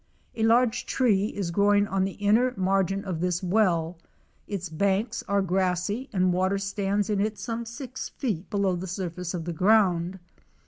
A large tree is growing .on the inner margin of this well; its banks are grassy and water stands in it some six f« et below the surface of the ground.